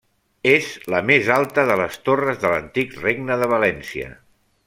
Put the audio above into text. És la més alta de les torres de l'antic Regne de València.